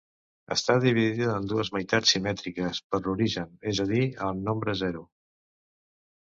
Està dividida en dues meitats simètriques per l'origen, és a dir, el nombre zero.